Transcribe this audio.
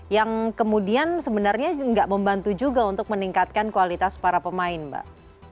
yang kemudian sebenarnya nggak membantu juga untuk meningkatkan kualitas para pemain mbak